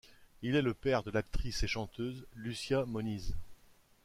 Il est le père de l'actrice et chanteuse Lúcia Moniz.